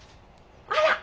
あら！